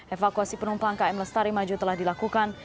evakuasi penumpang km lestari maju telah dilakukan